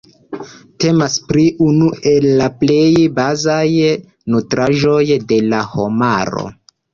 Temas pri unu el la plej bazaj nutraĵoj de la homaro.